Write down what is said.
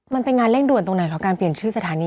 มันเป็นงานเร่งด่วนตรงไหนของการเปลี่ยนชื่อสถานี